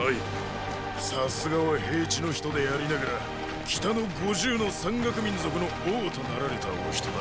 さすがは平地の人でありながら北の五十の山岳民族の“王”となられたお人だ。